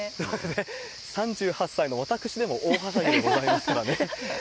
３８歳の私でも大はしゃぎでございますからね。